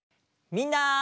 みんな！